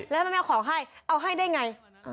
หรือเอาให้ไม่ได้ไง